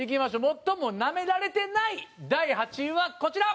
最もナメられてない第８位はこちら。